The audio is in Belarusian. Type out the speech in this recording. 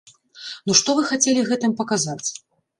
Ну што вы хацелі гэтым паказаць?!